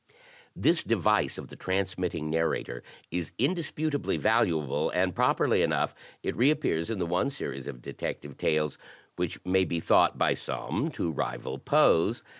"This device of the transmitting narrator is indisputably valuable; and, properly enough, it reappears in the one series of detective tales which may be thought by some to rival Poe's.